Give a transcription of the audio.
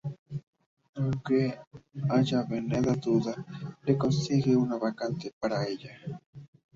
Aunque Avellaneda duda, le consigue una vacante para ella.